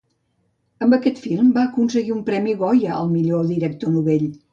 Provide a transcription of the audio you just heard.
Amb aquest film va aconseguir un Premi Goya al millor director novell.